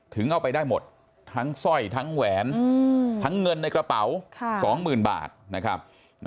เอาไปได้หมดทั้งสร้อยทั้งแหวนทั้งเงินในกระเป๋า๒๐๐๐บาทนะครับ